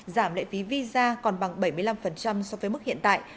giảm lệ phí visa còn bằng bảy mươi năm so với mức hiện tại